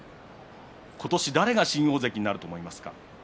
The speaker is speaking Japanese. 今年、誰が新大関になると思いますか？